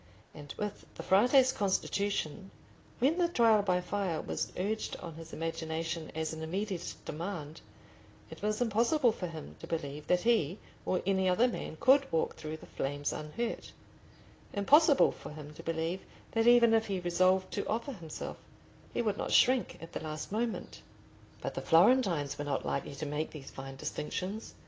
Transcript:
And with the Frate's constitution, when the Trial by Fire was urged on his imagination as an immediate demand, it was impossible for him to believe that he or any other man could walk through the flames unhurt—impossible for him to believe that even if he resolved to offer himself, he would not shrink at the last moment. But the Florentines were not likely to make these fine distinctions.